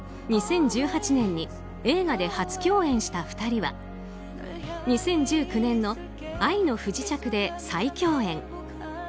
２０１８年に映画で初共演した２人は２０１９年の「愛の不時着」で再共演。